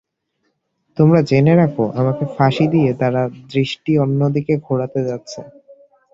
তোমরা জেনে রাখো, আমাকে ফাঁসি দিয়ে তাঁরা দৃষ্টি অন্যদিকে ঘোরাতে যাচ্ছে।